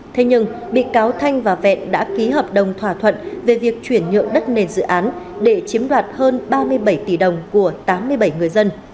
thế nhưng bị cáo thanh và vẹn đã ký hợp đồng thỏa thuận về việc chuyển nhượng đất nền dự án để chiếm đoạt hơn ba mươi bảy tỷ đồng của tám mươi bảy người dân